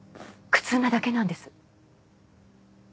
苦痛なだけなんです。